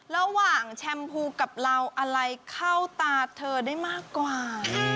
แชมพูกับเราอะไรเข้าตาเธอได้มากกว่า